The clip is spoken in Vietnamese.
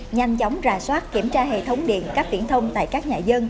nhanh chóng ra soát kiểm tra hệ thống điện các viễn thông tại các nhà dân